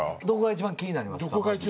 どこが一番気になりますか？